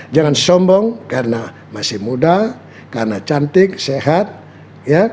jangan sombong karena masih muda karena cantik sehat ya